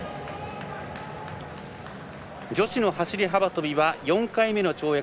女子の走り幅跳びは４回目の跳躍。